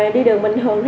có tiền có vàng gì không